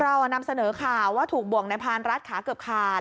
เรานำเสนอข่าวว่าถูกบ่วงในพานรัฐขาเกือบขาด